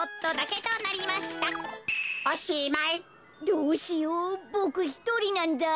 どうしようボクひとりなんだ。